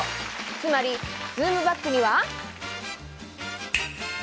つまりズームバックには。